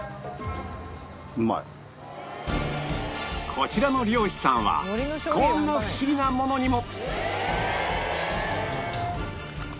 こちらの漁師さんはこんなフシギなものにも